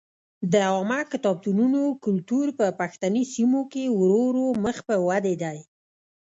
د عامه کتابتونونو کلتور په پښتني سیمو کې ورو ورو مخ په ودې دی.